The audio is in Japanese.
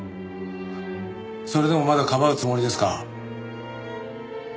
それでもまだかばうつもりですか？